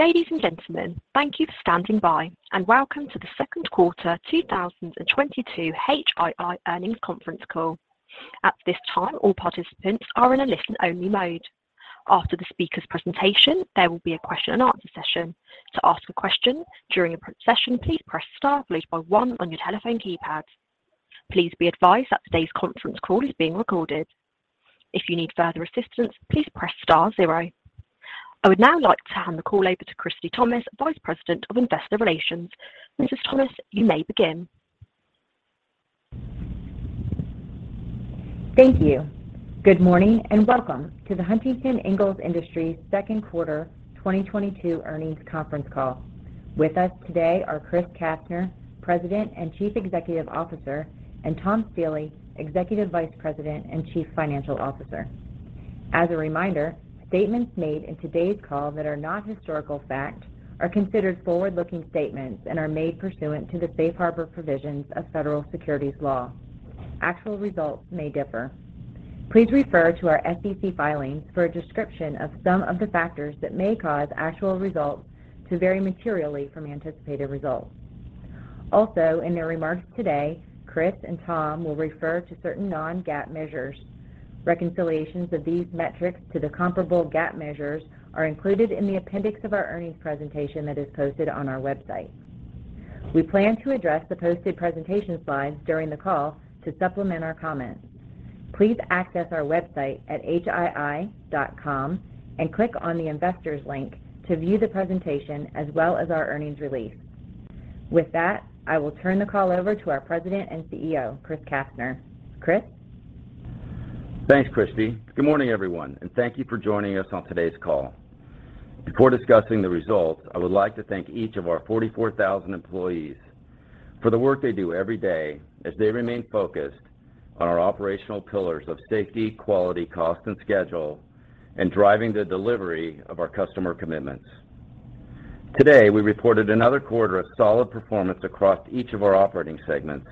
Ladies and gentlemen, thank you for standing by, and welcome to the second quarter 2022 HII earnings conference call. At this time, all participants are in a listen-only mode. After the speaker's presentation, there will be a question and answer session. To ask a question during the Q&A session, please press star followed by one on your telephone keypad. Please be advised that today's conference call is being recorded. If you need further assistance, please press star zero. I would now like to hand the call over to Christie Thomas, Vice President of Investor Relations. Mrs. Thomas, you may begin. Thank you. Good morning, and welcome to the Huntington Ingalls Industries second quarter 2022 earnings conference call. With us today are Chris Kastner, President and Chief Executive Officer, and Thomas E. Stiehle, Executive Vice President and Chief Financial Officer. As a reminder, statements made in today's call that are not historical fact are considered forward-looking statements and are made pursuant to the safe harbor provisions of federal securities law. Actual results may differ. Please refer to our SEC filings for a description of some of the factors that may cause actual results to vary materially from anticipated results. Also, in their remarks today, Chris and Tom will refer to certain non-GAAP measures. Reconciliations of these metrics to the comparable GAAP measures are included in the appendix of our earnings presentation that is posted on our website. We plan to address the posted presentation slides during the call to supplement our comments. Please access our website at hii.com and click on the Investors link to view the presentation as well as our earnings release. With that, I will turn the call over to our President and CEO, Chris Kastner. Chris? Thanks, Christie. Good morning, everyone, and thank you for joining us on today's call. Before discussing the results, I would like to thank each of our 44,000 employees for the work they do every day as they remain focused on our operational pillars of safety, quality, cost, and schedule, and driving the delivery of our customer commitments. Today, we reported another quarter of solid performance across each of our operating segments.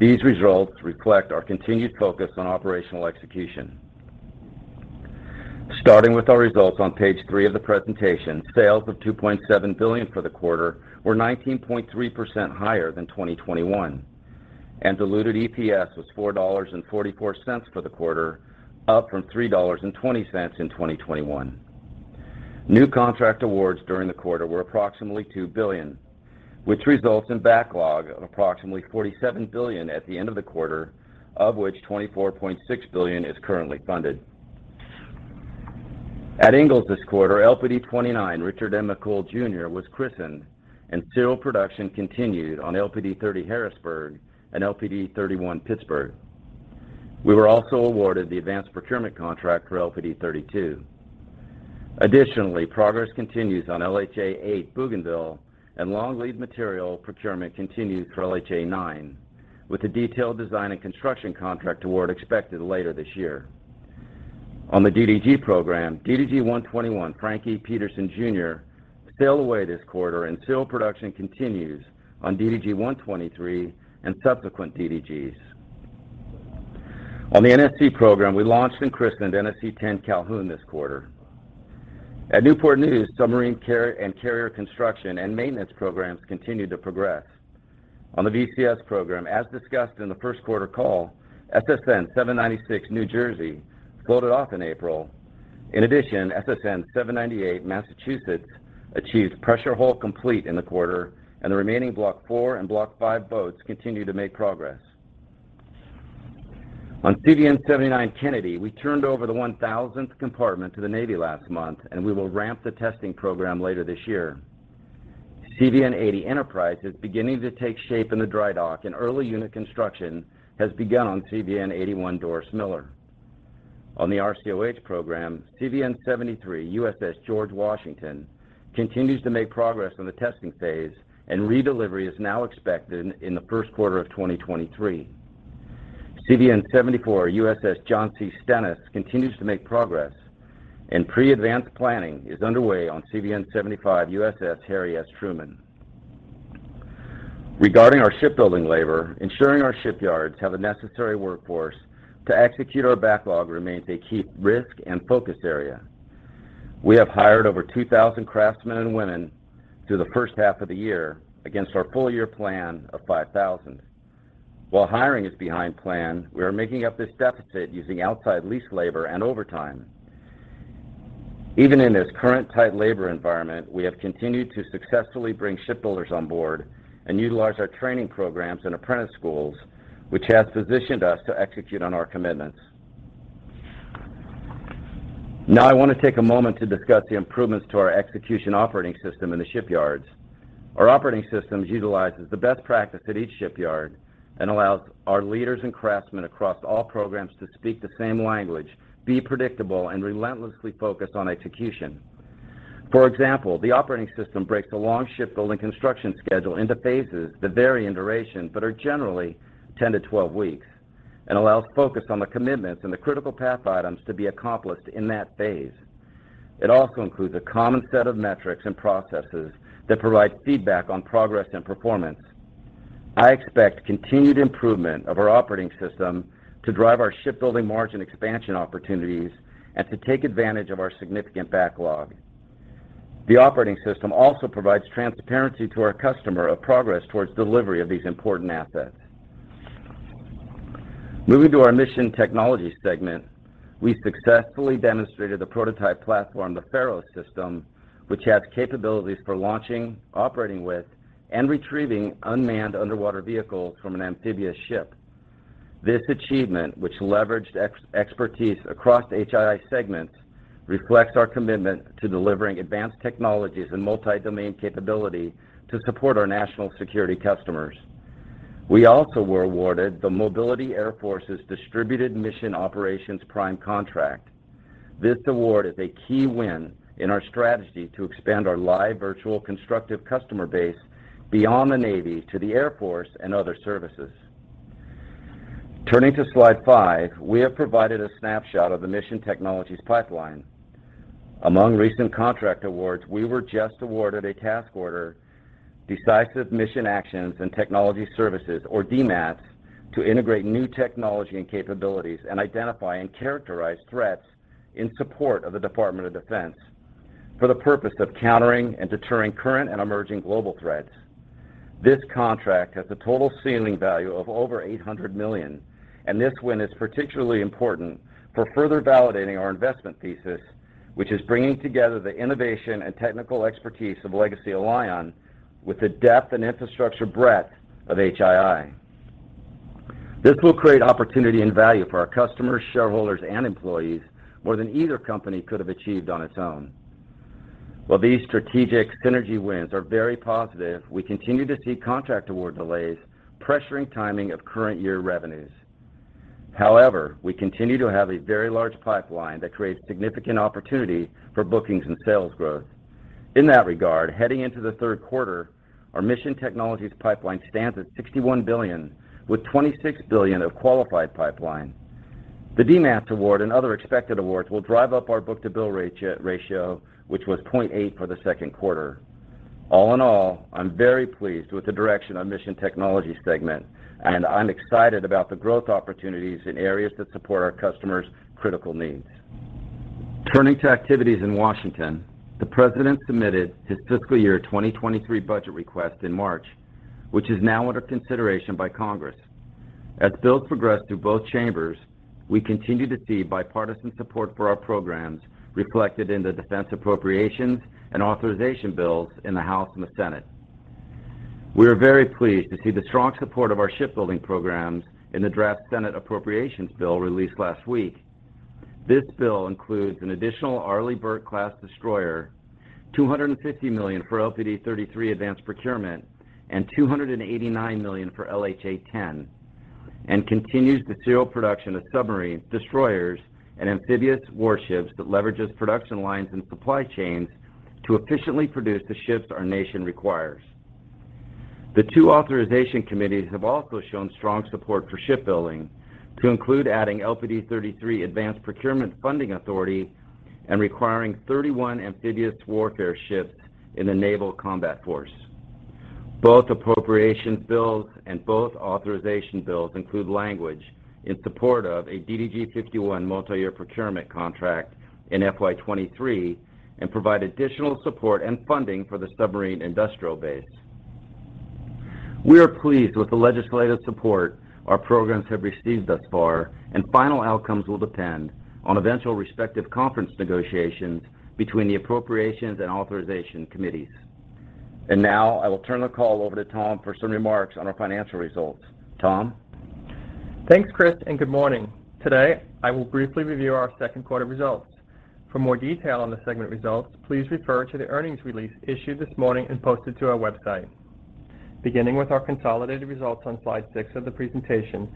These results reflect our continued focus on operational execution. Starting with our results on page three of the presentation, sales of $2.7 billion for the quarter were 19.3% higher than 2021, and diluted EPS was $4.44 for the quarter, up from $3.20 in 2021. New contract awards during the quarter were approximately $2 billion, which results in backlog of approximately $47 billion at the end of the quarter, of which $24.6 billion is currently funded. At Ingalls this quarter, LPD 29 Richard M. McCool Jr. was christened, and serial production continued on LPD 30 Harrisburg and LPD-31 Pittsburgh. We were also awarded the advanced procurement contract for LPD 32. Additionally, progress continues on LHA 8 Bougainville, and long lead material procurement continues for LHA 9, with the detailed design and construction contract award expected later this year. On the DDG program, DDG 121 Frank E. Petersen Jr. sailed away this quarter, and serial production continues on DDG 123 and subsequent DDGs. On the NSC program, we launched and christened NSC 10 Calhoun this quarter. At Newport News, submarine and carrier construction and maintenance programs continued to progress. On the VCS program, as discussed in the first quarter call, SSN 796 New Jersey floated off in April. In addition, SSN 798 Massachusetts achieved pressure hull complete in the quarter, and the remaining Block IV and Block V boats continue to make progress. On CVN 79 Kennedy, we turned over the 1,000th compartment to the Navy last month, and we will ramp the testing program later this year. CVN 80 Enterprise is beginning to take shape in the dry dock, and early unit construction has begun on CVN 81 Doris Miller. On the RCOH program, CVN 73 USS George Washington continues to make progress on the testing phase, and redelivery is now expected in the first quarter of 2023. CVN 74 USS John C. Stennis continues to make progress, and pre-advanced planning is underway on CVN 75 USS Harry S. Truman. Regarding our shipbuilding labor, ensuring our shipyards have the necessary workforce to execute our backlog remains a key risk and focus area. We have hired over 2,000 craftsmen and women through the first half of the year against our full year plan of 5,000. While hiring is behind plan, we are making up this deficit using outside lease labor and overtime. Even in this current tight labor environment, we have continued to successfully bring shipbuilders on board and utilize our training programs and apprentice schools, which has positioned us to execute on our commitments. Now I want to take a moment to discuss the improvements to our execution operating system in the shipyards. Our operating systems utilizes the best practice at each shipyard and allows our leaders and craftsmen across all programs to speak the same language, be predictable, and relentlessly focus on execution. For example, the operating system breaks the long shipbuilding construction schedule into phases that vary in duration, but are generally 10-12 weeks, and allows focus on the commitments and the critical path items to be accomplished in that phase. It also includes a common set of metrics and processes that provide feedback on progress and performance. I expect continued improvement of our operating system to drive our shipbuilding margin expansion opportunities and to take advantage of our significant backlog. The operating system also provides transparency to our customer of progress towards delivery of these important assets. Moving to our Mission Technologies segment, we successfully demonstrated the prototype platform, the Pharos system, which has capabilities for launching, operating with, and retrieving unmanned undersea vehicles from an amphibious ship. This achievement, which leveraged expertise across HII segments, reflects our commitment to delivering advanced technologies and multi-domain capability to support our national security customers. We also were awarded the Mobility Air Force's Distributed Mission Operations prime contract. This award is a key win in our strategy to expand our live virtual constructive customer base beyond the Navy to the Air Force and other services. Turning to slide five, we have provided a snapshot of the Mission Technologies pipeline. Among recent contract awards, we were just awarded a task order, Decisive Mission Actions and Technology Services, or DMATS, to integrate new technology and capabilities and identify and characterize threats in support of the Department of Defense for the purpose of countering and deterring current and emerging global threats. This contract has a total ceiling value of over $800 million, and this win is particularly important for further validating our investment thesis, which is bringing together the innovation and technical expertise of legacy Alion with the depth and infrastructure breadth of HII. This will create opportunity and value for our customers, shareholders, and employees more than either company could have achieved on its own. While these strategic synergy wins are very positive, we continue to see contract award delays pressuring timing of current year revenues. However, we continue to have a very large pipeline that creates significant opportunity for bookings and sales growth. In that regard, heading into the third quarter, our Mission Technologies pipeline stands at $61 billion with $26 billion of qualified pipeline. The DMATS award and other expected awards will drive up our book-to-bill ratio, which was 0.8 for the second quarter. All in all, I'm very pleased with the direction of Mission Technologies segment, and I'm excited about the growth opportunities in areas that support our customers' critical needs. Turning to activities in Washington, the President submitted his fiscal year 2023 budget request in March, which is now under consideration by Congress. As bills progress through both chambers, we continue to see bipartisan support for our programs reflected in the defense appropriations and authorization bills in the House and the Senate. We are very pleased to see the strong support of our shipbuilding programs in the draft Senate Appropriations Bill released last week. This bill includes an additional Arleigh Burke-class destroyer, $250 million for LPD 33 advanced procurement, and $289 million for LHA 10, and continues the serial production of submarines, destroyers, and amphibious warships that leverages production lines and supply chains to efficiently produce the ships our nation requires. The two authorization committees have also shown strong support for shipbuilding to include adding LPD 33 advanced procurement funding authority and requiring 31 amphibious warfare ships in the Naval Combat Force. Both appropriations bills and both authorization bills include language in support of a DDG 51 multiyear procurement contract in FY 2023 and provide additional support and funding for the submarine industrial base. We are pleased with the legislative support our programs have received thus far, and final outcomes will depend on eventual respective conference negotiations between the appropriations and authorization committees. Now, I will turn the call over to Tom for some remarks on our financial results. Tom? Thanks, Chris, and good morning. Today, I will briefly review our second quarter results. For more detail on the segment results, please refer to the earnings release issued this morning and posted to our website. Beginning with our consolidated results on slide six of the presentation,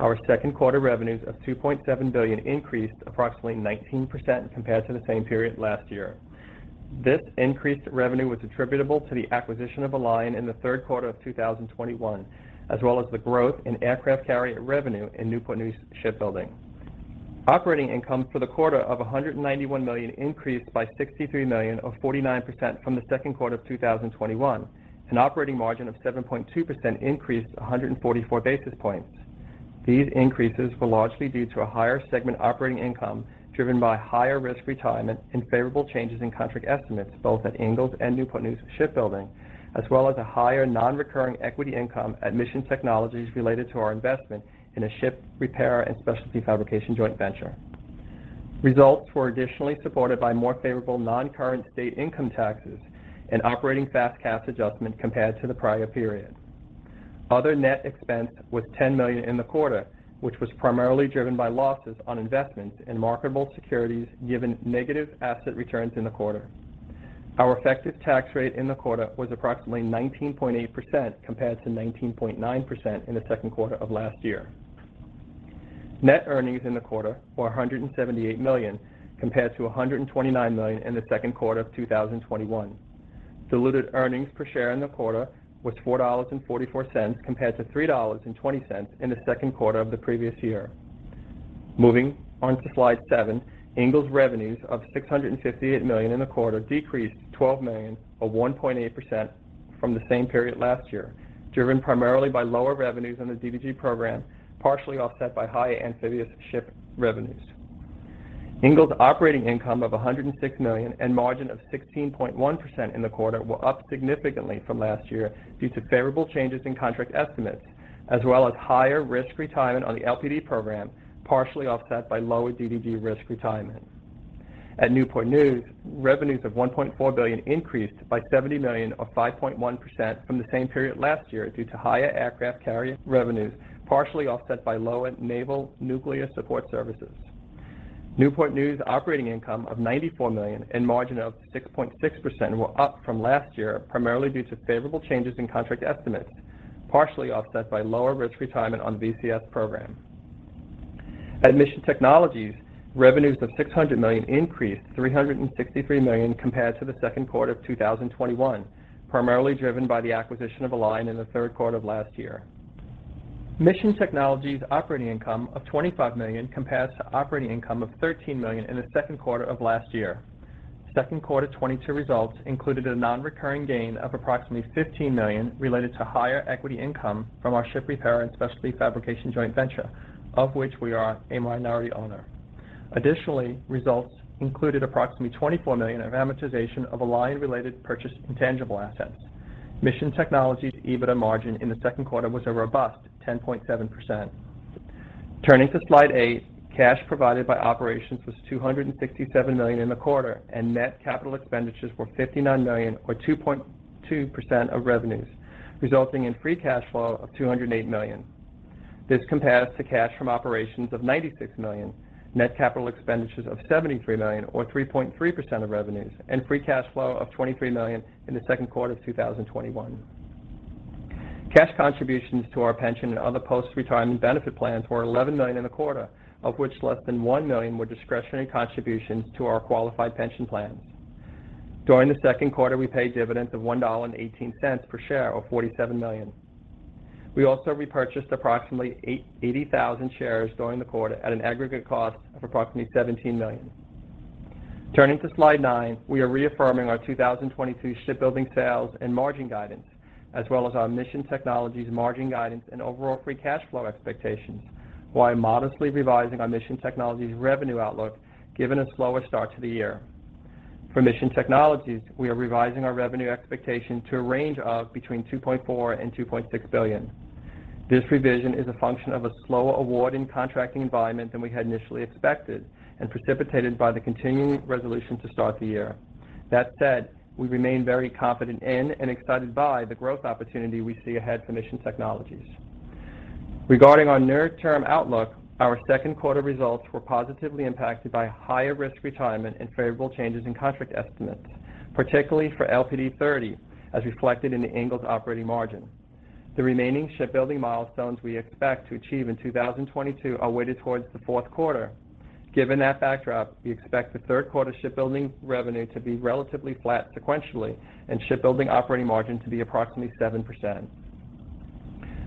our second quarter revenues of $2.7 billion increased approximately 19% compared to the same period last year. This increased revenue was attributable to the acquisition of Alion in the third quarter of 2021, as well as the growth in aircraft carrier revenue in Newport News Shipbuilding. Operating income for the quarter of $191 million increased by $63 million, or 49%, from the second quarter of 2021. An operating margin of 7.2% increased 144 basis points. These increases were largely due to a higher segment operating income driven by higher risk retirement and favorable changes in contract estimates, both at Ingalls and Newport News Shipbuilding, as well as a higher non-recurring equity income at Mission Technologies related to our investment in a ship repair and specialty fabrication joint venture. Results were additionally supported by more favorable non-current state income taxes and operating FAS/CAS adjustment compared to the prior period. Other net expense was $10 million in the quarter, which was primarily driven by losses on investments in marketable securities given negative asset returns in the quarter. Our effective tax rate in the quarter was approximately 19.8% compared to 19.9% in the second quarter of last year. Net earnings in the quarter were $178 million compared to $129 million in the second quarter of 2021. Diluted earnings per share in the quarter was $4.44 compared to $3.20 in the second quarter of the previous year. Moving on to slide seven, Ingalls' revenues of $658 million in the quarter decreased $12 million, or 1.8% from the same period last year, driven primarily by lower revenues in the DDG program, partially offset by high amphibious ship revenues. Ingalls' operating income of $106 million and margin of 16.1% in the quarter were up significantly from last year due to favorable changes in contract estimates, as well as higher risk retirement on the LPD program, partially offset by lower DDG risk retirement. At Newport News, revenues of $1.4 billion increased by $70 million, or 5.1% from the same period last year due to higher aircraft carrier revenues, partially offset by lower naval nuclear support services. Newport News' operating income of $94 million and margin of 6.6% were up from last year, primarily due to favorable changes in contract estimates, partially offset by lower risk retirement on VCS program. At Mission Technologies, revenues of $600 million increased $363 million compared to the second quarter of 2021, primarily driven by the acquisition of Alion in the third quarter of last year. Mission Technologies' operating income of $25 million compared to operating income of $13 million in the second quarter of last year. Second quarter 2022 results included a non-recurring gain of approximately $15 million related to higher equity income from our ship repair and specialty fabrication joint venture, of which we are a minority owner. Additionally, results included approximately $24 million of amortization of Alion related purchased intangible assets. Mission Technologies' EBITDA margin in the second quarter was a robust 10.7%. Turning to slide eight, cash provided by operations was $267 million in the quarter, and net capital expenditures were $59 million or 2.2% of revenues, resulting in free cash flow of $208 million. This compares to cash from operations of $96 million, net capital expenditures of $73 million or 3.3% of revenues, and free cash flow of $23 million in the second quarter of 2021. Cash contributions to our pension and other post-retirement benefit plans were $11 million in the quarter, of which less than $1 million were discretionary contributions to our qualified pension plans. During the second quarter, we paid dividends of $1.18 per share, or $47 million. We also repurchased approximately 80,000 shares during the quarter at an aggregate cost of approximately $17 million. Turning to slide nine, we are reaffirming our 2022 shipbuilding sales and margin guidance, as well as our Mission Technologies margin guidance and overall free cash flow expectations, while modestly revising our Mission Technologies revenue outlook, given a slower start to the year. For Mission Technologies, we are revising our revenue expectation to a range of between $2.4 billion and $2.6 billion. This revision is a function of a slower award and contracting environment than we had initially expected and precipitated by the Continuing Resolution to start the year. That said, we remain very confident in and excited by the growth opportunity we see ahead for Mission Technologies. Regarding our near-term outlook, our second quarter results were positively impacted by higher risk retirement and favorable changes in contract estimates, particularly for LPD 30, as reflected in the Ingalls operating margin. The remaining shipbuilding milestones we expect to achieve in 2022 are weighted towards the fourth quarter. Given that backdrop, we expect the third quarter shipbuilding revenue to be relatively flat sequentially and shipbuilding operating margin to be approximately 7%.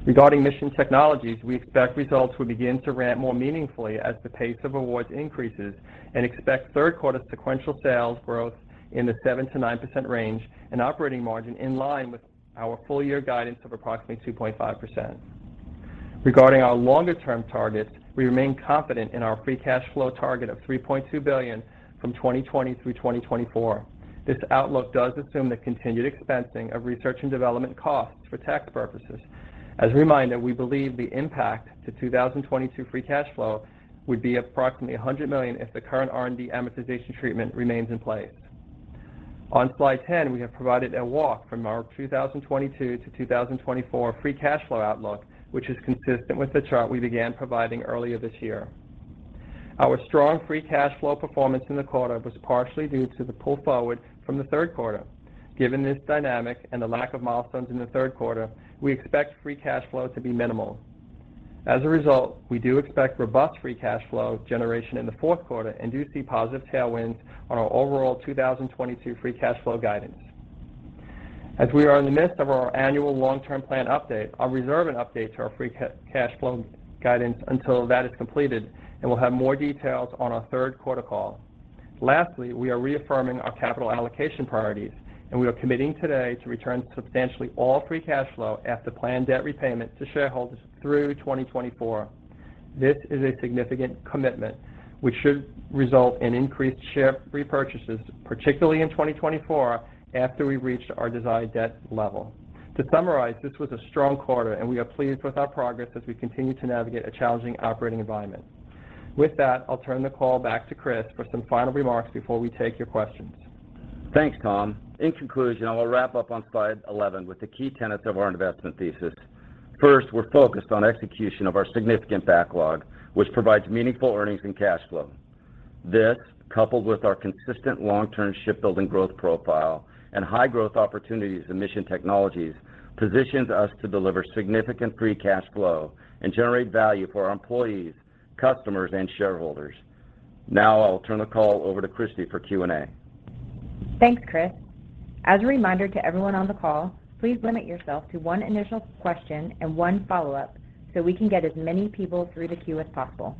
Regarding Mission Technologies, we expect results will begin to ramp more meaningfully as the pace of awards increases and expect third quarter sequential sales growth in the 7%-9% range and operating margin in line with our full year guidance of approximately 2.5%. Regarding our longer term targets, we remain confident in our free cash flow target of $3.2 billion from 2020 through 2024. This outlook does assume the continued expensing of research and development costs for tax purposes. As a reminder, we believe the impact to 2022 free cash flow would be approximately $100 million if the current R&D amortization treatment remains in place. On slide 10, we have provided a walk from our 2022 to 2024 free cash flow outlook, which is consistent with the chart we began providing earlier this year. Our strong free cash flow performance in the quarter was partially due to the pull forward from the third quarter. Given this dynamic and the lack of milestones in the third quarter, we expect free cash flow to be minimal. As a result, we do expect robust free cash flow generation in the fourth quarter and do see positive tailwinds on our overall 2022 free cash flow guidance. As we are in the midst of our annual long-term plan update, we reserve an update to our free cash flow guidance until that is completed, and we'll have more details on our third quarter call. Lastly, we are reaffirming our capital allocation priorities, and we are committing today to return substantially all free cash flow after planned debt repayment to shareholders through 2024. This is a significant commitment, which should result in increased share repurchases, particularly in 2024 after we've reached our desired debt level. To summarize, this was a strong quarter, and we are pleased with our progress as we continue to navigate a challenging operating environment. With that, I'll turn the call back to Chris for some final remarks before we take your questions. Thanks, Tom. In conclusion, I will wrap up on slide 11 with the key tenets of our investment thesis. First, we're focused on execution of our significant backlog, which provides meaningful earnings and cash flow. This, coupled with our consistent long-term shipbuilding growth profile and high growth opportunities in Mission Technologies, positions us to deliver significant free cash flow and generate value for our employees, customers, and shareholders. Now I'll turn the call over to Christie for Q&A. Thanks, Chris. As a reminder to everyone on the call, please limit yourself to one initial question and one follow-up so we can get as many people through the queue as possible.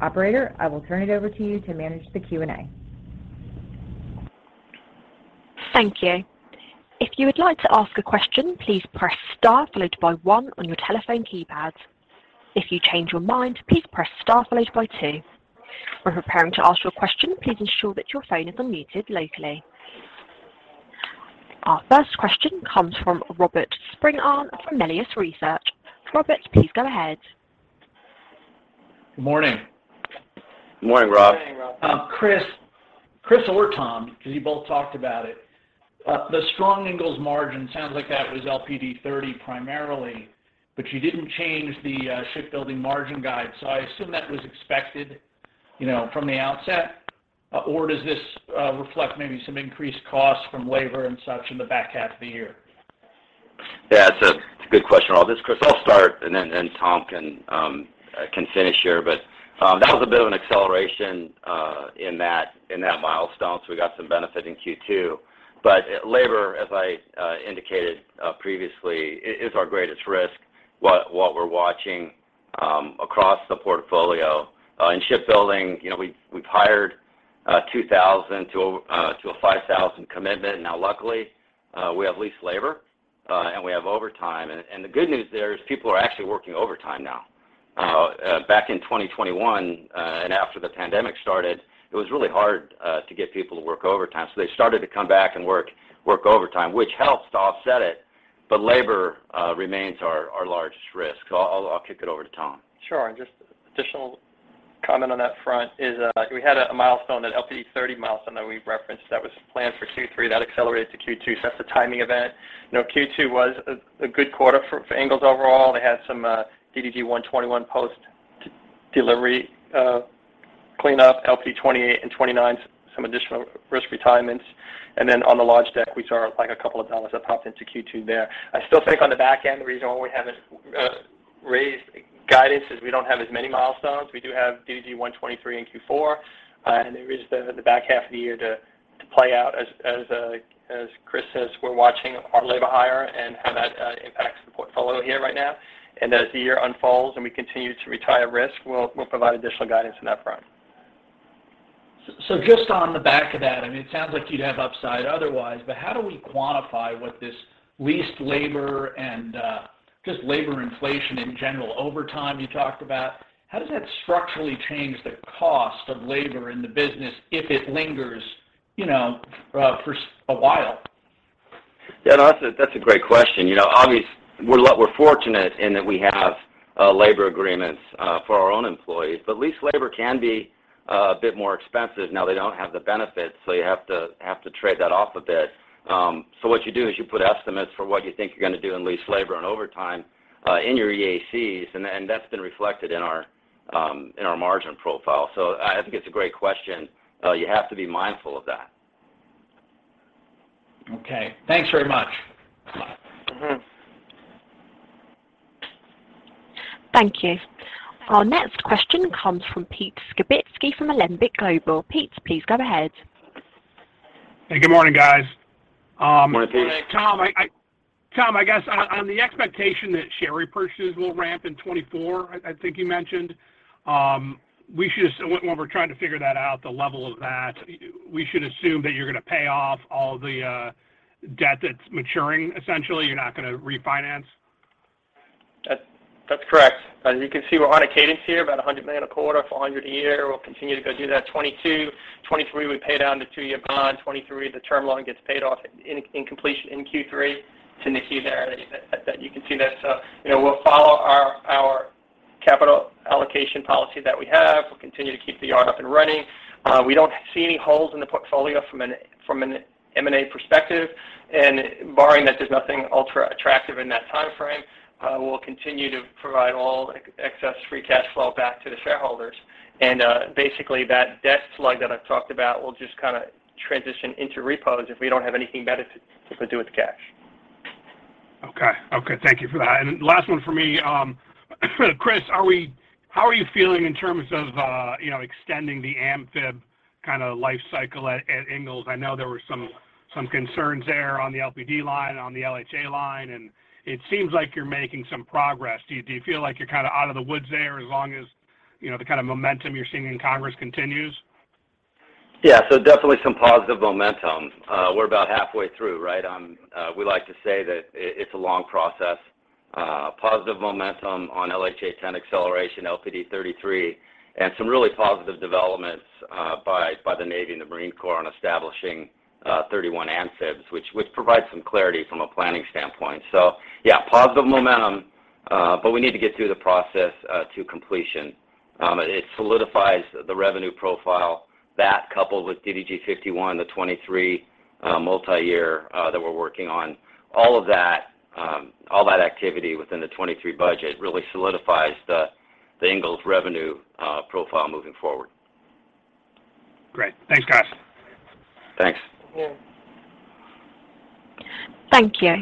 Operator, I will turn it over to you to manage the Q&A. Thank you. If you would like to ask a question, please press star followed by one on your telephone keypad. If you change your mind, please press star followed by two. When preparing to ask your question, please ensure that your phone is unmuted locally. Our first question comes from Robert Spingarn from Melius Research. Robert, please go ahead. Good morning. Good morning, Rob. Chris or Tom, because you both talked about it, the strong Ingalls margin sounds like that was LPD 30 primarily, but you didn't change the shipbuilding margin guide. I assume that was expected, you know, from the outset, or does this reflect maybe some increased costs from labor and such in the back half of the year? Yeah, it's a good question, Rob. This is Chris. I'll start and then Tom can finish here. That was a bit of an acceleration in that milestone, so we got some benefit in Q2. Labor, as I indicated previously, is our greatest risk. What we're watching across the portfolio in shipbuilding, you know, we've hired 2,000 to a 5,000 commitment. Now luckily, we have leased labor and we have overtime and the good news there is people are actually working overtime now. Back in 2021 and after the pandemic started, it was really hard to get people to work overtime. They started to come back and work overtime, which helps to offset it, but labor remains our largest risk. I'll kick it over to Tom. Sure. Just additional comment on that front is, we had a milestone, that LPD 30 milestone that we referenced that was planned for Q3. That accelerated to Q2, so that's a timing event. You know, Q2 was a good quarter for Ingalls overall. They had some DDG 121 post-delivery cleanup, LPD 28 and LPD 29, some additional risk retirements. And then on the large deck, we saw like a couple of dollars that popped into Q2 there. I still think on the back end, the reason why we haven't raised guidance is we don't have as many milestones. We do have DDG 123 in Q4, and then we just have the back half of the year to play out. As Chris says, we're watching our labor hire and how that impacts the portfolio here right now. As the year unfolds and we continue to retire risk, we'll provide additional guidance on that front. Just on the back of that, I mean, it sounds like you'd have upside otherwise, but how do we quantify what this leased labor and just labor inflation in general, overtime you talked about, how does that structurally change the cost of labor in the business if it lingers, you know, for a while? Yeah, no, that's a great question. You know, we're fortunate in that we have labor agreements for our own employees, but leased labor can be a bit more expensive. Now they don't have the benefits, so you have to trade that off a bit. What you do is you put estimates for what you think you're gonna do in leased labor and overtime in your EACs and that's been reflected in our margin profile. I think it's a great question. You have to be mindful of that. Okay. Thanks very much. Bye. Mm-hmm. Thank you. Our next question comes from Pete Skibitski from Alembic Global Advisors. Pete, please go ahead. Hey, good morning, guys. Good morning, Pete. Good morning. Tom, I guess on the expectation that share repurchases will ramp in 2024, I think you mentioned, when we're trying to figure that out, the level of that, we should assume that you're gonna pay off all the debt that's maturing, essentially, you're not gonna refinance? That's correct. As you can see, we're on a cadence here, about $100 million a quarter, $400 million a year. We'll continue to go do that. 2022, 2023, we pay down the two-year bond. 2023, the term loan gets paid off in completion in Q3. Peter, you can see that. You know, we'll follow our capital allocation policy that we have. We'll continue to keep the yard up and running. We don't see any holes in the portfolio from an M&A perspective. Barring that there's nothing ultra attractive in that timeframe, we'll continue to provide all excess free cash flow back to the shareholders. Basically that debt slug that I've talked about will just kinda transition into repos if we don't have anything better to do with the cash. Okay. Okay, thank you for that. Last one for me, Chris, how are you feeling in terms of, you know, extending the amphib kinda life cycle at Ingalls? I know there were some concerns there on the LPD line, on the LHA line, and it seems like you're making some progress. Do you feel like you're kinda out of the woods there as long as, you know, the kind of momentum you're seeing in Congress continues? Yeah. Definitely some positive momentum. We're about halfway through, right? We like to say it's a long process. Positive momentum on LHA 10 acceleration, LPD 33, and some really positive developments by the Navy and the Marine Corps on establishing 31 amphibs, which provides some clarity from a planning standpoint. Yeah, positive momentum, but we need to get through the process to completion. It solidifies the revenue profile. That coupled with DDG 51, the 2023 multi-year that we're working on, all of that, all that activity within the 2023 budget really solidifies the Ingalls revenue profile moving forward. Great. Thanks, guys. Thanks. Mm-hmm. Thank you.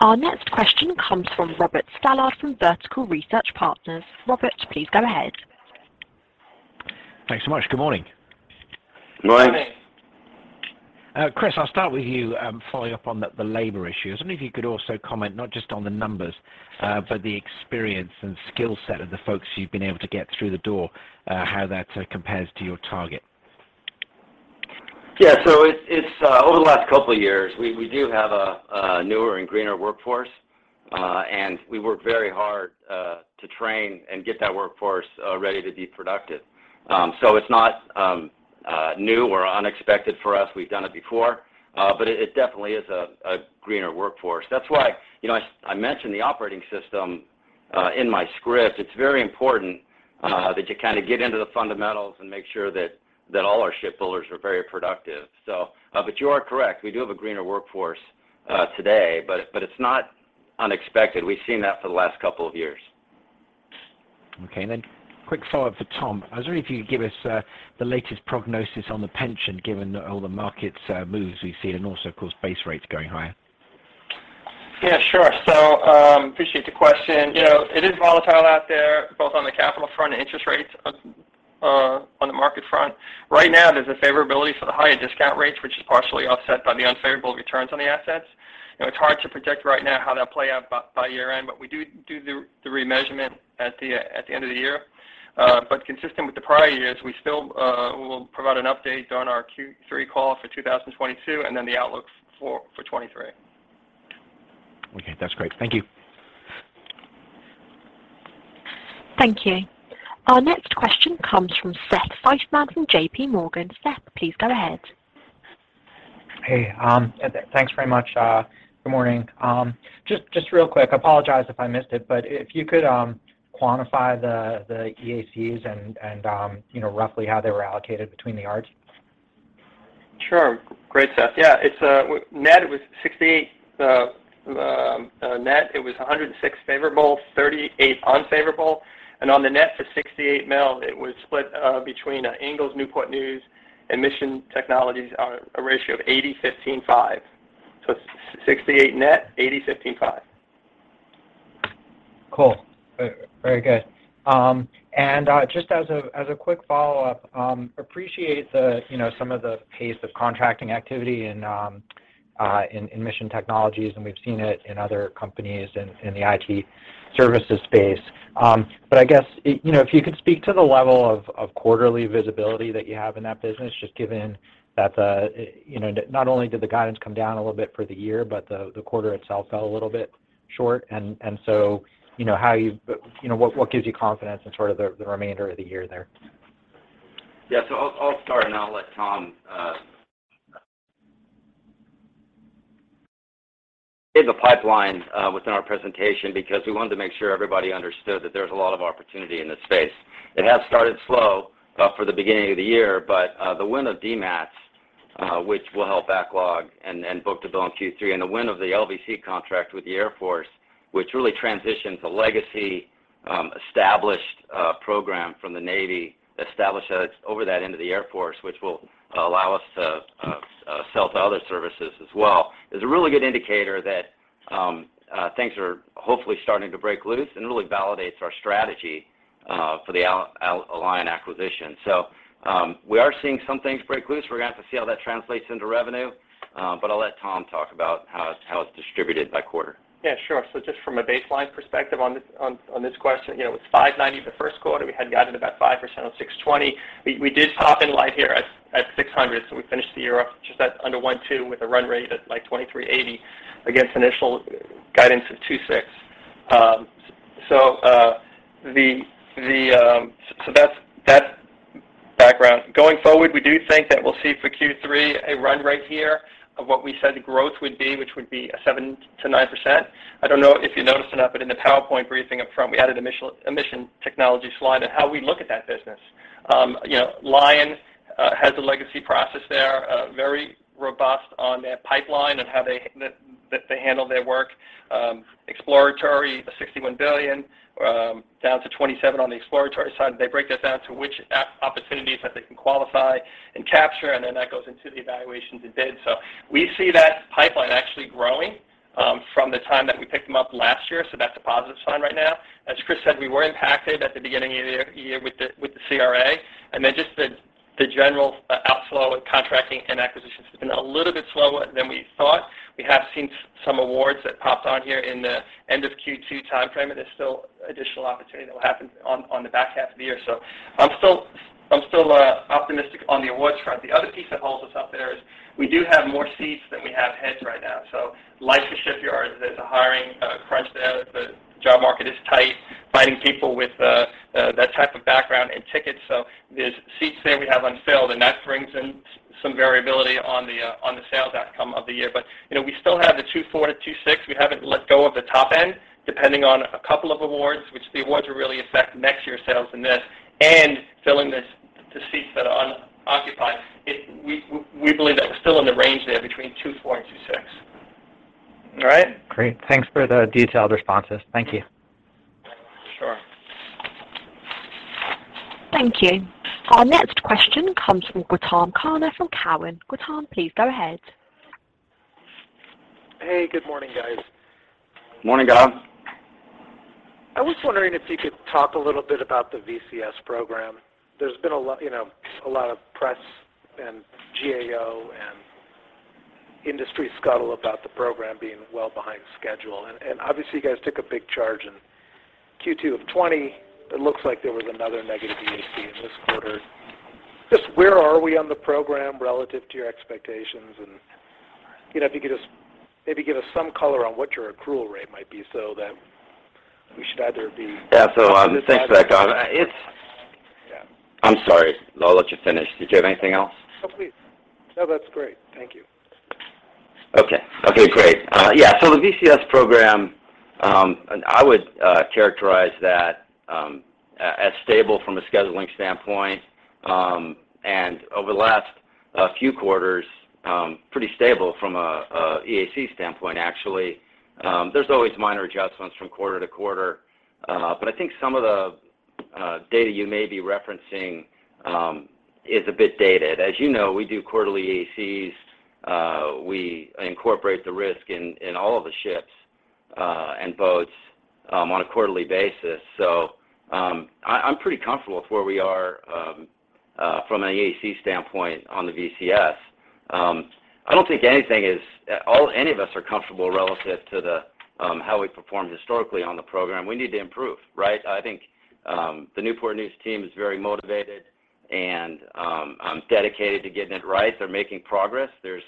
Our next question comes from Robert Stallard from Vertical Research Partners. Robert, please go ahead. Thanks so much. Good morning. Good morning. Chris, I'll start with you, following up on the labor issue. I was wondering if you could also comment not just on the numbers, but the experience and skill set of the folks you've been able to get through the door, how that compares to your target? Yeah. It's over the last couple of years, we do have a newer and greener workforce, and we work very hard to train and get that workforce ready to be productive. It's not new or unexpected for us. We've done it before, but it definitely is a greener workforce. That's why, you know, I mentioned the operating system in my script. It's very important that you kind of get into the fundamentals and make sure that all our shipbuilders are very productive. But you are correct. We do have a greener workforce today, but it's not unexpected. We've seen that for the last couple of years. Okay. Quick follow-up for Tom. I was wondering if you could give us the latest prognosis on the pension given all the markets moves we've seen and also, of course, base rates going higher. Yeah, sure. Appreciate the question. You know, it is volatile out there, both on the capital front and interest rates, on the market front. Right now, there's a favorability for the higher discount rates, which is partially offset by the unfavorable returns on the assets. You know, it's hard to project right now how that'll play out by year-end, but we do the remeasurement at the end of the year. Consistent with the prior years, we will provide an update on our Q3 call for 2022, and then the outlook for 2023. Okay. That's great. Thank you. Thank you. Our next question comes from Seth Seifman from JPMorgan. Seth, please go ahead. Hey. Thanks very much. Good morning. Just real quick, I apologize if I missed it, but if you could quantify the EACs and you know, roughly how they were allocated between the yards. Sure. Great, Seth. Yeah, it's net it was $68 million, net it was $106 million favorable, $38 million unfavorable. On the net for $68 million, it was split between Ingalls, Newport News, and Mission Technologies on a ratio of 80%, 15%, 5%. It's $68 million net, 80%, 15%, 5%. Cool. Very good. Just as a quick follow-up, I appreciate the, you know, some of the pace of contracting activity in Mission Technologies, and we've seen it in other companies in the IT services space. I guess you know, if you could speak to the level of quarterly visibility that you have in that business, just given that you know, not only did the guidance come down a little bit for the year, but the quarter itself fell a little bit short, and so you know, what gives you confidence in sort of the remainder of the year there? Yeah. I'll start, and then I'll let Tom. In the pipeline within our presentation because we wanted to make sure everybody understood that there's a lot of opportunity in this space. It has started slow for the beginning of the year, but the win of DMATS, which will help backlog and book to bill in Q3, and the win of the LVC contract with the Air Force, which really transitions a legacy established program from the Navy over to the Air Force, which will allow us to sell to other services as well, is a really good indicator that things are hopefully starting to break loose and really validates our strategy for the Alion acquisition. We are seeing some things break loose. We're gonna have to see how that translates into revenue, but I'll let Tom talk about how it's distributed by quarter. Yeah, sure. Just from a baseline perspective on this question, you know, it's $590 million the first quarter. We had guided about 5% on $620 million. We did pop in light here at $600 million, so we finished the year off just under $1.2 billion with a run rate at, like, $2.38 billion against initial guidance of $2.6 billion. That's background. Going forward, we do think that we'll see for Q3 a run rate here of what we said growth would be, which would be 7%-9%. I don't know if you noticed or not, but in the PowerPoint briefing up front, we added a Mission Technologies slide and how we look at that business. You know, Alion has a legacy process there, very robust on their pipeline and how they handle their work. Exploratory $61 billion down to $27 billion on the exploratory side. They break this down to which opportunities that they can qualify and capture, and then that goes into the evaluations and bids. We see that pipeline actually growing from the time that we picked them up last year, so that's a positive sign right now. As Chris said, we were impacted at the beginning of the year with the CRA, and then just the general outflow of contracting and acquisitions has been a little bit slower than we thought. We have seen some awards that popped on here in the end of Q2 timeframe, and there's still additional opportunity that will happen on the back half of the year. I'm still optimistic on the awards front. The other piece that holds us up there is we do have more seats than we have heads right now. Like the shipyards, there's a hiring crunch there. The job market is tight, finding people with that type of background and tickets, so there's seats there we have unfilled, and that brings in some variability on the sales outcome of the year. You know, we still have the $2.4 billion-$2.6 billion. We haven't let go of the top end, depending on a couple of awards, which the awards will really affect next year's sales and this, and filling the seats that are unoccupied. We believe that we're still in the range there between $2.4 billion and $2.6 billion. All right. Great. Thanks for the detailed responses. Thank you. Thank you. Our next question comes from Gautam Khanna from Cowen. Gautam, please go ahead. Hey, good morning, guys. Morning, Gautam. I was wondering if you could talk a little bit about the VCS program. There's been a lot, you know, a lot of press and GAO and industry scuttle about the program being well behind schedule. Obviously you guys took a big charge in Q2 of 2020. It looks like there was another negative EAC in this quarter. Just where are we on the program relative to your expectations? You know, if you could just maybe give us some color on what your accrual rate might be so that we should either be- Yeah. Thanks for that, Gautam. Yeah. I'm sorry. I'll let you finish. Did you have anything else? Oh, please. No, that's great. Thank you. Okay, great. Yeah, the VCS program, and I would characterize that as stable from a scheduling standpoint, and over the last few quarters, pretty stable from a EAC standpoint, actually. There's always minor adjustments from quarter to quarter, but I think some of the data you may be referencing is a bit dated. As you know, we do quarterly EACs. We incorporate the risk in all of the ships and boats on a quarterly basis. I'm pretty comfortable with where we are from an EAC standpoint on the VCS. I don't think any of us are comfortable relative to how we performed historically on the program. We need to improve, right? I think the Newport News team is very motivated and dedicated to getting it right. They're making progress. There's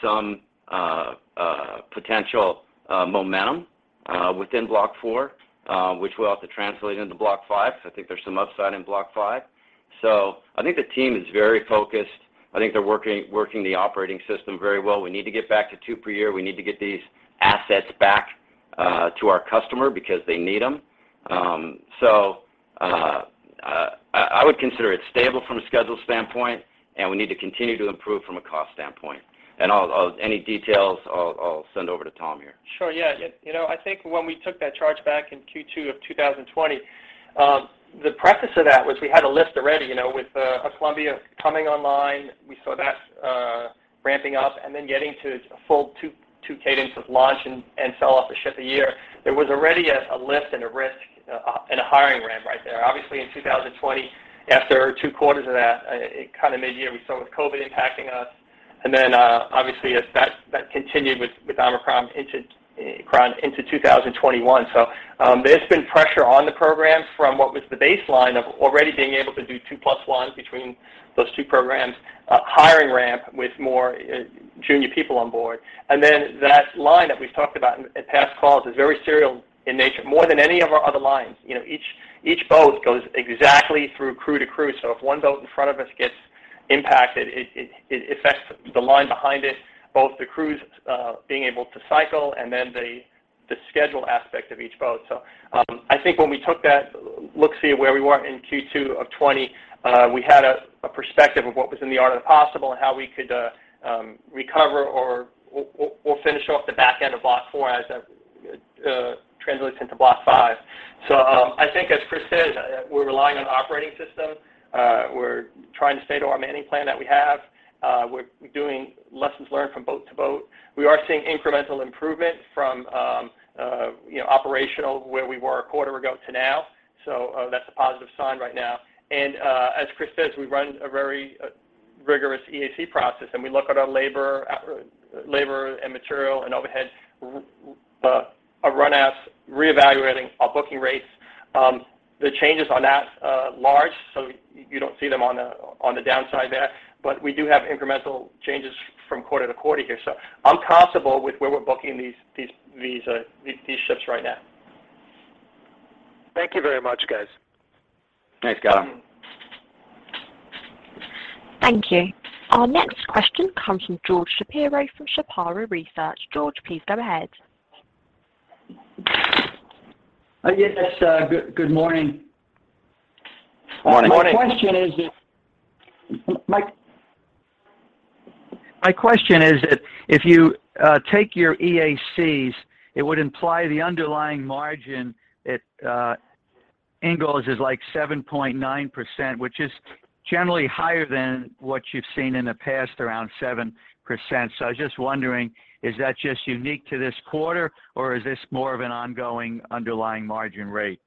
some potential momentum within block four, which we'll have to translate into block five. I think there's some upside in block five. I think the team is very focused. I think they're working the operating system very well. We need to get back to 2 per year. We need to get these assets back to our customer because they need them. I would consider it stable from a schedule standpoint, and we need to continue to improve from a cost standpoint. I'll send any details over to Tom here. Sure, yeah. You know, I think when we took that charge back in Q2 of 2020, the premise of that was we had a lift already, you know, with a Columbia-class coming online. We saw that ramping up and then getting to a full two cadence of launch and sell off a ship a year. There was already a lift and a risk and a hiring ramp right there. Obviously, in 2020, after two quarters of that, kind of mid-year, we saw with COVID impacting us. Obviously as that continued with Omicron into 2021. There's been pressure on the program from what was the baseline of already being able to do two plus ones between those two programs, a hiring ramp with more junior people on board. Then that line that we've talked about in past calls is very serial in nature, more than any of our other lines. You know, each boat goes exactly through crew to crew. If one boat in front of us gets impacted, it affects the line behind it, both the crews being able to cycle and then the schedule aspect of each boat. I think when we took that look-see of where we were in Q2 of 2020, we had a perspective of what was in the art of the possible and how we could recover or we'll finish off the back end of Block IV as that translates into Block V. I think as Chris says, we're relying on operating system. We're trying to stay to our manning plan that we have. We're doing lessons learned from boat to boat. We are seeing incremental improvement from operational where we were a quarter ago to now. That's a positive sign right now. as Chris says, we run a very rigorous EAC process, and we look at our labor and material and overhead, our run outs, reevaluating our booking rates. The changes on that are large, so you don't see them on the downside there. We do have incremental changes from quarter to quarter here. I'm comfortable with where we're booking these ships right now. Thank you very much, guys. Thanks, Gautam. Thank you. Our next question comes from George Shapiro from Shapiro Research. George, please go ahead. Yes, good morning. Morning. Morning. My question is if you take your EACs, it would imply the underlying margin at Ingalls is like 7.9%, which is generally higher than what you've seen in the past, around 7%. I was just wondering, is that just unique to this quarter, or is this more of an ongoing underlying margin rate?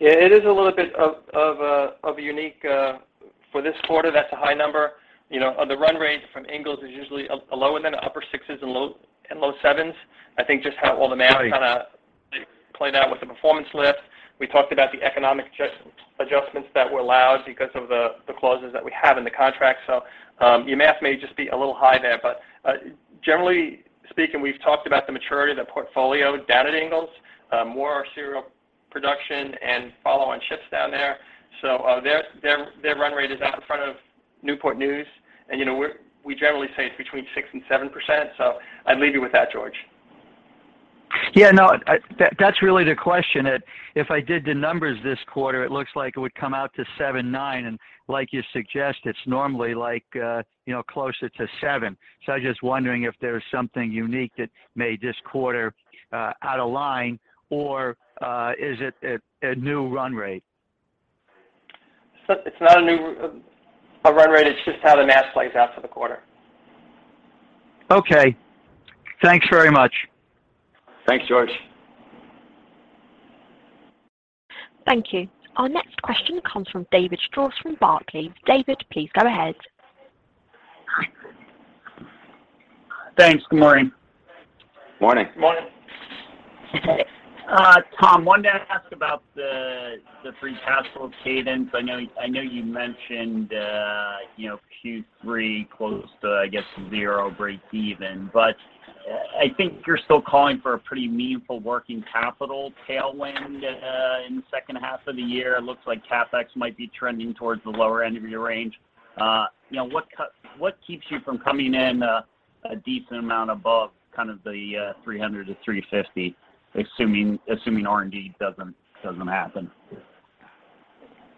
Yeah, it is a little bit of a unique for this quarter. That's a high number. You know, the run rate from Ingalls is usually low to upper sixes and low sevens. I think just how all the math kinda played out with the performance lift. We talked about the economic adjustments that were allowed because of the clauses that we have in the contract. Your math may just be a little high there. Generally speaking, we've talked about the maturity of the portfolio down at Ingalls, more of our serial production and follow on ships down there. Their run rate is out in front of Newport News and, you know, we generally say it's between 6% and 7%. I'd leave you with that, George. Yeah, no, that's really the question. If I did the numbers this quarter, it looks like it would come out to 7.9%. Like you suggest, it's normally like closer to 7%. I'm just wondering if there's something unique that made this quarter out of line or is it a new run rate? It's not a new run rate, it's just how the math plays out for the quarter. Okay. Thanks very much. Thanks, George. Thank you. Our next question comes from David Strauss from Barclays. David, please go ahead. Thanks. Good morning. Morning. Morning. Tom, wanted to ask about the free cash flow cadence. I know you mentioned, you know, Q3 close to, I guess, zero, breakeven. I think you're still calling for a pretty meaningful working capital tailwind in the second half of the year. It looks like CapEx might be trending towards the lower end of your range. You know, what keeps you from coming in a decent amount above kind of the $300 million-$350 million assuming R&D doesn't happen? Yeah.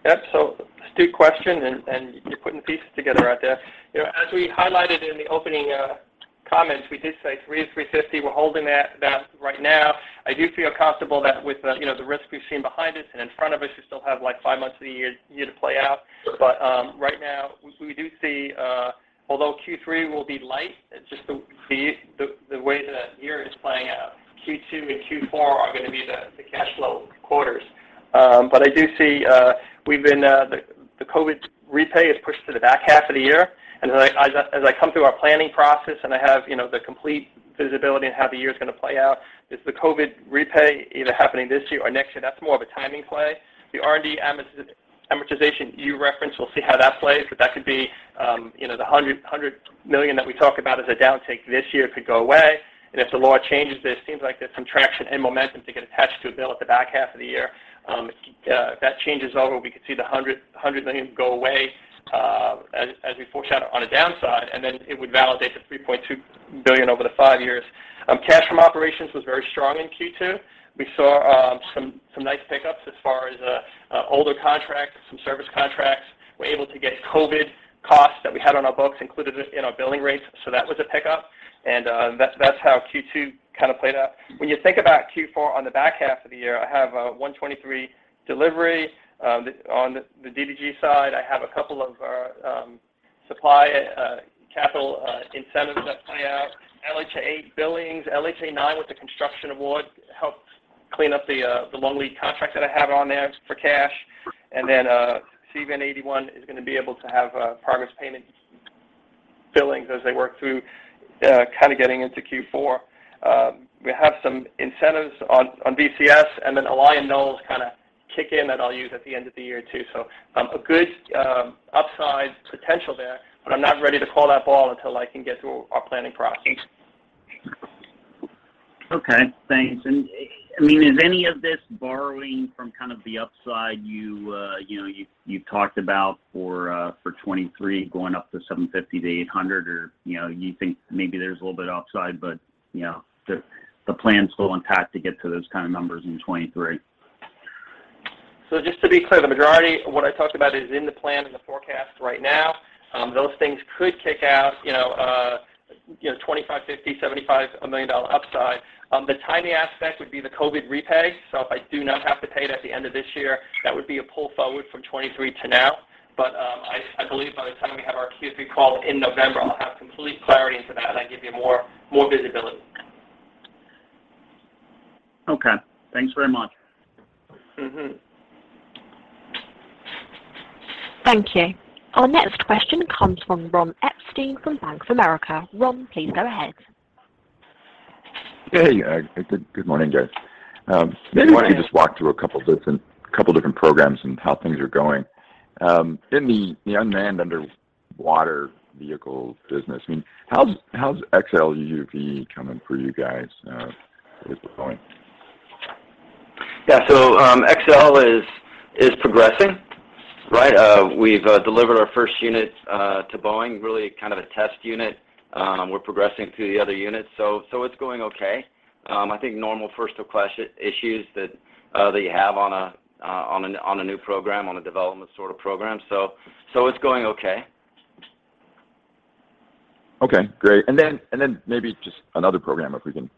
Astute question and you're putting pieces together out there. You know, as we highlighted in the opening comments, we did say $300 million-$350 million. We're holding that right now. I do feel comfortable that with you know, the risk we've seen behind us and in front of us, you still have like five months of the year to play out. Right now we do see, although Q3 will be light, it's just the way the year is playing out. Q2 and Q4 are gonna be the cash flow quarters. I do see the COVID repayment is pushed to the back half of the year. As I come through our planning process, and I have, you know, the complete visibility in how the year's gonna play out, is the COVID repay either happening this year or next year? That's more of a timing play. The R&D amortization you referenced, we'll see how that plays, but that could be, you know, the $100 million that we talk about as a downtick this year could go away. If the law changes, there seems like there's some traction and momentum to get attached to a bill at the back half of the year. If that changes over, we could see the $100 million go away, as we foreshadow on a downside, and then it would validate the $3.2 billion over the five years. Cash from operations was very strong in Q2. We saw some nice pickups as far as older contracts, some service contracts. We're able to get COVID costs that we had on our books included in our billing rates, so that was a pickup. That's how Q2 kind of played out. When you think about Q4 on the back half of the year, I have 123 delivery on the DDG side. I have a couple of supply capital incentives that play out. LHA billings, LHA 9 with the construction award helped clean up the long lead contract that I have on there for cash. CVN 81 is gonna be able to have progress payment billings as they work through kind of getting into Q4. We have some incentives on BCS, and then Alion, no less, kind of kick in that I'll use at the end of the year too. A good upside potential there, but I'm not ready to call the ball until I can get through our planning process. Okay. Thanks. I mean, is any of this borrowing from kind of the upside you know you talked about for 2023 going up to $750 million-$800 million? Or, you know, you think maybe there's a little bit of upside, but, you know, the plan's still intact to get to those kind of numbers in 2023? Just to be clear, the majority of what I talked about is in the plan, in the forecast right now. Those things could kick in, you know, $25 million, $50 million, $75 million, $1 million upside. The only aspect would be the COVID repay. If I do not have to pay it at the end of this year, that would be a pull forward from 2023 to now. I believe by the time we have our Q3 call in November, I'll have complete clarity into that, and I can give you more visibility. Okay. Thanks very much. Mm-hmm. Thank you. Our next question comes from Ron Epstein from Bank of America. Ron, please go ahead. Hey, good morning, guys. Good morning. I'm wondering if you could just walk through a couple different programs and how things are going. In the unmanned underwater vehicle business, I mean, how's XLUUV coming for you guys with Boeing? XL is progressing, right? We've delivered our first unit to Boeing, really kind of a test unit. We're progressing through the other units. It's going okay. I think normal first request issues that you have on a new program, on a development sort of program. It's going okay. Okay. Great. Then maybe just another program, if we can.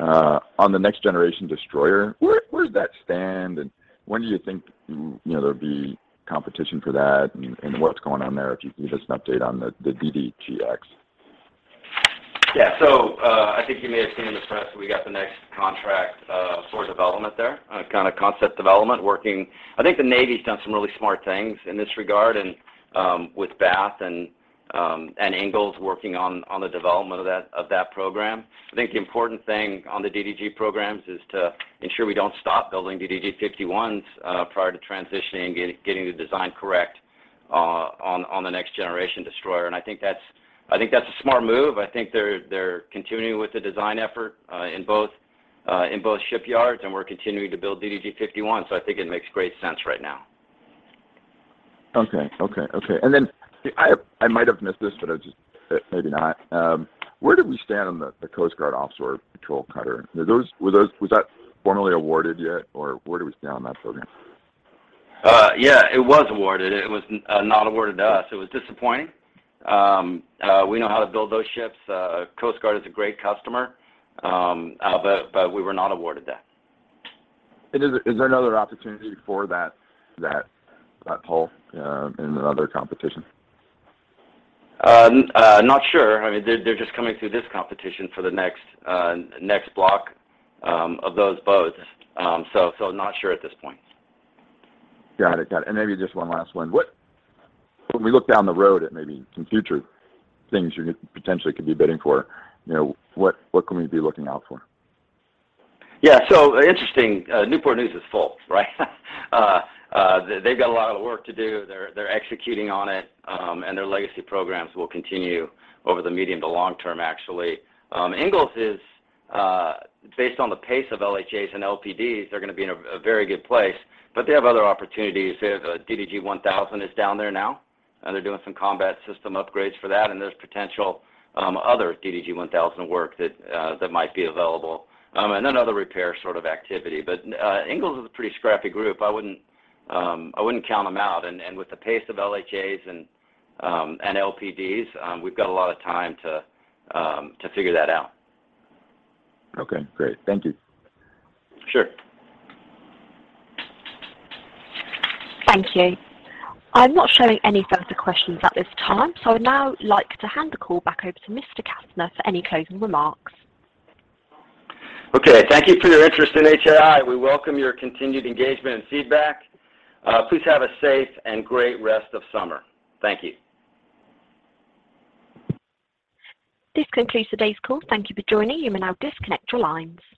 On the next generation destroyer, where does that stand, and when do you think, you know, there'd be competition for that? What's going on there, if you can give us an update on the DDG(X)? Yeah. I think you may have seen in the press that we got the next contract for development there, kind of concept development working. I think the Navy's done some really smart things in this regard and with Bath and Ingalls working on the development of that program. I think the important thing on the DDG programs is to ensure we don't stop building DDG 51s prior to transitioning and getting the design correct on the next generation destroyer, and I think that's a smart move. I think they're continuing with the design effort in both shipyards, and we're continuing to build DDG 51s, so I think it makes great sense right now. Okay. I might have missed this, but maybe not. Where do we stand on the Coast Guard Offshore Patrol Cutter? Was that formally awarded yet or where do we stand on that program? Yeah. It was awarded. It was not awarded to us. It was disappointing. We know how to build those ships. Coast Guard is a great customer. We were not awarded that. Is there another opportunity for that hull in another competition? Not sure. I mean, they're just coming through this competition for the next block of those boats. Not sure at this point. Got it. Maybe just one last one. When we look down the road at maybe some future things potentially could be bidding for, you know, what can we be looking out for? Yeah. Interesting. Newport News is full, right? They've got a lot of work to do. They're executing on it. Their legacy programs will continue over the medium to long term actually. Ingalls is based on the pace of LHAs and LPDs, they're gonna be in a very good place, but they have other opportunities. They have DDG 1000 is down there now, and they're doing some combat system upgrades for that, and there's potential other DDG 1000 work that might be available, and then other repair sort of activity. Ingalls is a pretty scrappy group. I wouldn't count them out. With the pace of LHAs and LPDs, we've got a lot of time to figure that out. Okay. Great. Thank you. Sure. Thank you. I'm not showing any further questions at this time, so I'd now like to hand the call back over to Mr. Kastner for any closing remarks. Okay. Thank you for your interest in HII. We welcome your continued engagement and feedback. Please have a safe and great rest of summer. Thank you. This concludes today's call. Thank you for joining. You may now disconnect your lines.